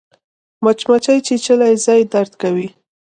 مچمچۍ چیچلی ځای درد کوي